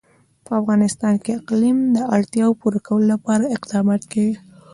په افغانستان کې د اقلیم د اړتیاوو پوره کولو لپاره اقدامات کېږي.